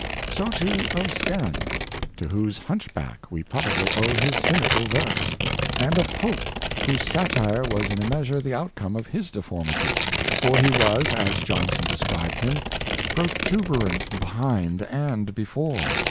So, too, of Scarron, to whose hunchback we probably owe his cynical verse; and of Pope, whose satire was in a measure the outcome of his deformity — for he was, as Johhson described him, "protuberant behind and be 554 Light and Shade. fore."